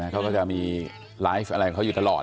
เขาก็จะมีไลฟ์อะไรของเขาอยู่ตลอด